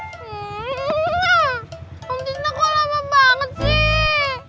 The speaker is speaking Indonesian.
om cinta kok lama banget sih